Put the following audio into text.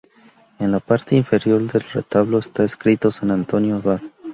En la parte inferior del retablo está escrito: San Antonio Abad.